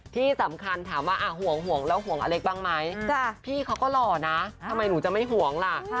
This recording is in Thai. ที่สำคัญถามว่าห่วงแล้วห่วงอเล็กบ้างไหมพี่เขาก็หล่อนะทำไมหนูจะไม่ห่วงล่ะ